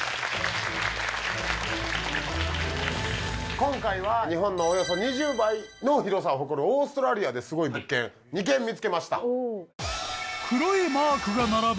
今回は日本のおよそ２０倍の広さを誇るオーストラリアですごい物件２件見つけました。